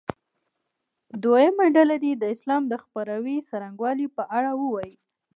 دویمه ډله دې د اسلام د خپراوي څرنګوالي په اړه ووایي.